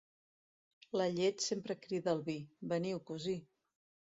La llet sempre crida al vi: veniu, cosí.